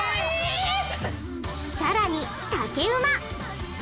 さらに竹馬！